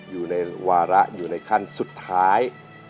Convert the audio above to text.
อยู่ในวาระอยู่ในขั้นสุดท้าย